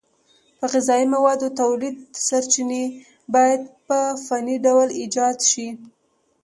د غذایي موادو تولید سرچینې باید په فني ډول ایجاد شي.